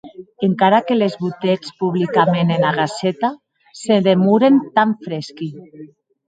Encara que les botetz publicament ena Gaceta, se demoren tan fresqui.